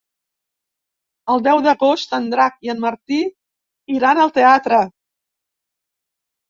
El deu d'agost en Drac i en Martí iran al teatre.